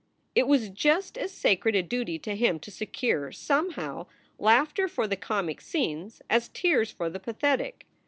It was just as sacred a duty to him to secure, somehow, laughter for the comic scenes as tears for the pathetic.